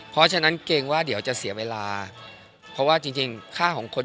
เพราะฉะนั้นเกรงว่าเดี๋ยวจะเสียเวลาเพราะว่าจริงจริงค่าของคน